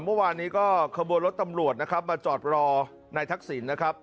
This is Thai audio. เมื่อวานนี้ก็ขบวนรถตำรวจนะครับมาจอดรอนายทักษิณนะครับ